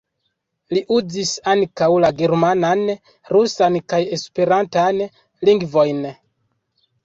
Li uzis ankaŭ la germanan, rusan kaj esperantan lingvojn.